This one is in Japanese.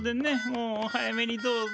もうお早めにどうぞ。